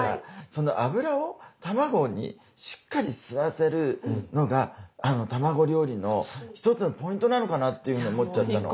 その油を卵にしっかり吸わせるのがあの卵料理の一つのポイントなのかなっていうふうに思っちゃったの。